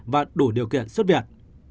và đủ điều kiện xuất viện